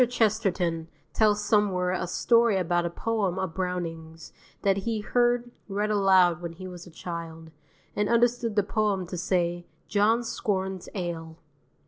Chesterton tells somewhere a story about a poem of Browning's that he heard read aloud when he was a child, and understood the poem to say "John scorns ale."